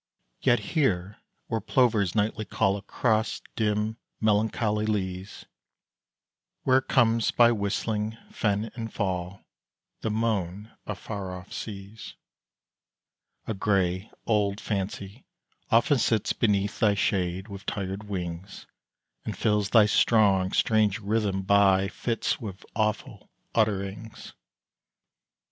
Yet here, where plovers nightly call Across dim, melancholy leas Where comes by whistling fen and fall The moan of far off seas A grey, old Fancy often sits Beneath thy shade with tired wings, And fills thy strong, strange rhyme by fits With awful utterings.